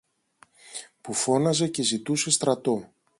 που φώναζε και ζητούσε στρατό.